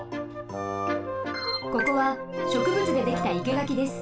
ここはしょくぶつでできた生け垣です。